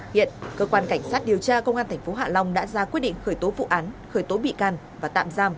hiện cơ quan cảnh sát điều tra công an tp hạ long đã ra quyết định khởi tố vụ án khởi tố bị can và tạm giam